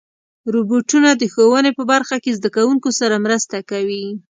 روبوټونه د ښوونې په برخه کې زدهکوونکو سره مرسته کوي.